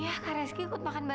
doanya insya allah lancar